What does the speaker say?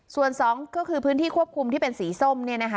ส่วน๒ก็คือพื้นที่ควบคุมที่เป็นสีส้ม